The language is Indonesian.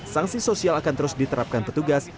sanksi sosial akan terus diterapkan petugas